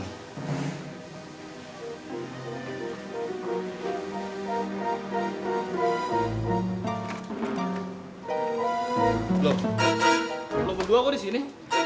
lo lo berdua kok di sini